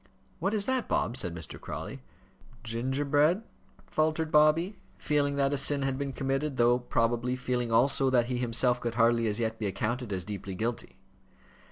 "What is that, Bob?" said Mr. Crawley. "Gingerbread," faltered Bobby, feeling that a sin had been committed, though, probably, feeling also that he himself could hardly as yet be accounted as deeply guilty.